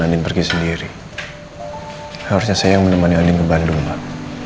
amin pergi sendiri harusnya saya yang menemani aldin ke bandung pak